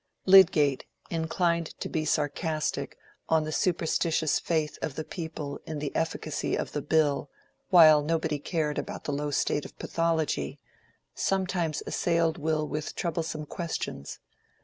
Lydgate, inclined to be sarcastic on the superstitious faith of the people in the efficacy of "the bill," while nobody cared about the low state of pathology, sometimes assailed Will with troublesome questions.